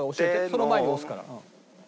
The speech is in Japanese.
その前に押すから。